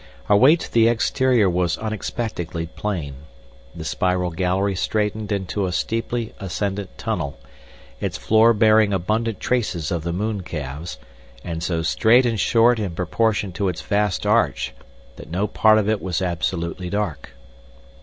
Our way to the exterior was unexpectedly plain. The spiral gallery straightened into a steeply ascendent tunnel, its floor bearing abundant traces of the mooncalves, and so straight and short in proportion to its vast arch, that no part of it was absolutely dark.